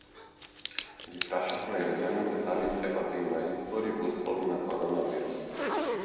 Ги прашавме граѓаните, дали треба да има избори во услови на коронавирус